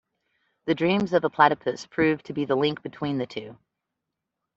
The dreams of a platypus prove to be the link between the two.